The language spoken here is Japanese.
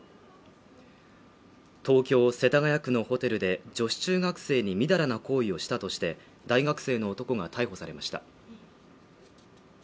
東京・世田谷区のホテルで女子中学生にみだらな行為をしたとして大学生の男が逮捕されました